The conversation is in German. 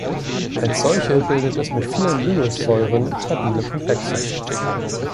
Als solche bildet es mit vielen Lewis-Säuren stabile Komplexe.